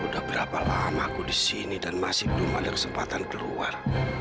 udah berapa lama aku di sini dan masih belum ada kesempatan keluar